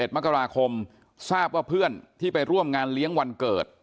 ๑มกราคมทราบว่าเพื่อนที่ไปร่วมงานเลี้ยงวันเกิด